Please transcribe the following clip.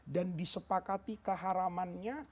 dan disepakati keharamannya